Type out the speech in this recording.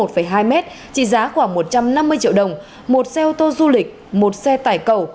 trị giá khoảng một trăm năm mươi triệu đồng một xe ô tô du lịch một xe tải cầu